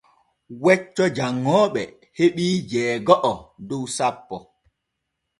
Wecco janŋooɓe heɓii jeego’o dow sappo.